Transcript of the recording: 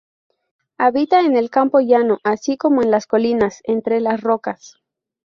Habita en el campo llano así como en las colinas, entre las rocas.